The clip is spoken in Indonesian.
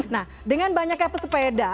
nah dengan banyaknya pesepeda